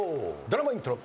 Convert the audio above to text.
ドラマイントロ。